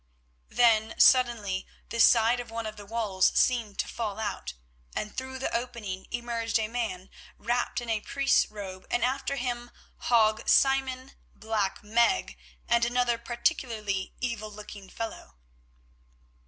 Then suddenly the side of one of the walls seemed to fall out, and through the opening emerged a man wrapped in a priest's robe, and after him, Hague Simon, Black Meg, and another particularly evil looking fellow.